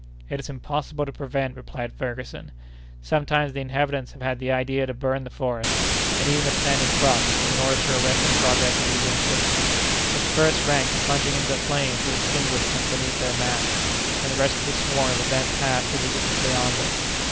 "It is impossible to prevent it," replied Ferguson. "Sometimes the inhabitants have had the idea to burn the forests, and even the standing crops, in order to arrest the progress of these insects; but the first ranks plunging into the flames would extinguish them beneath their mass, and the rest of the swarm would then pass irresistibly onward.